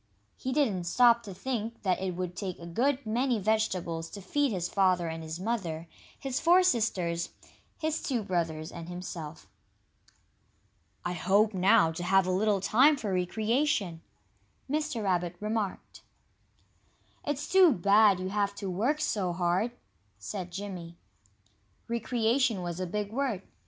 He didn't stop to think that it would take a good many vegetables to feed his father and his mother, his four sisters, his two brothers, and himself. "I hope, now, to have a little time for recreation," Mr. Rabbit remarked. "It's too bad you have to work so hard," said Jimmy. "Recreation" was a big word.